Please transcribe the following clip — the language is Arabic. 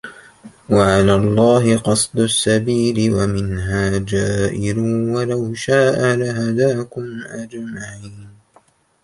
وَعَلَى اللَّهِ قَصْدُ السَّبِيلِ وَمِنْهَا جَائِرٌ وَلَوْ شَاءَ لَهَدَاكُمْ أَجْمَعِينَ